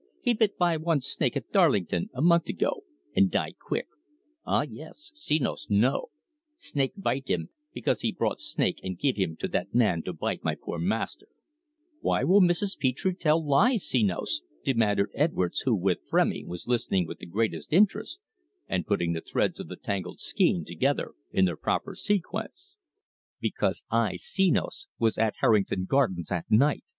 He bit by one snake at Darlington, a month ago, and die quick. Ah, yes! Senos know! Snake bite him, because he brought snake and give him to that man to bite my poor master." "Why will Mrs. Petre tell lies, Senos?" demanded Edwards who, with Frémy, was listening with the greatest interest and putting the threads of the tangled skein together in their proper sequence. "Because I, Senos, was at Harrington Gardens that night.